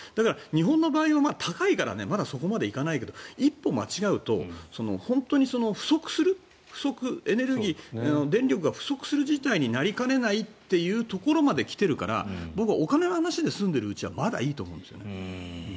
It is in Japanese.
日本の場合高いからまだそこまでいかないけど一歩間違うと本当に不足するエネルギー、電力が不足する事態になりかねないというところまで来ているから僕、お金の話で済んでいるうちはまだいいと思うんですよね。